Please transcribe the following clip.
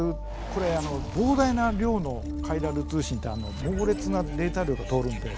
これ膨大な量のカイラル通信って猛烈なデータ量が通るんで。